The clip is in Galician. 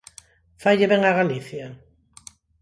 ¿Faille ben a Galicia?